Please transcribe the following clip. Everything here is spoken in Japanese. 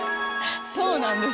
そうなんです。